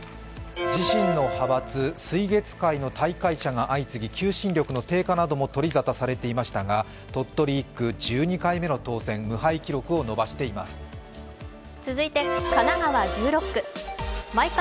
自身の派閥水月会の退会者が相次ぎ求心力の低下なども取り沙汰されていましたが鳥取１区、１２回目の当選、無敗記録を伸ばしています。